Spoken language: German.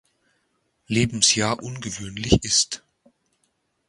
Lebensjahr ungewöhnlich ist.